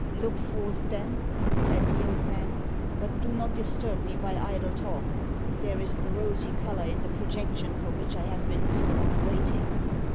"Look forth, then," said the old man. "But do not disturb me by idle talk. There is the rosy colour in the projection for which I have been so long waiting."